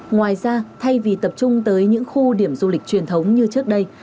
ngoài ra thay vì tập trung tới những khu điểm du lịch truyền thống như trước đây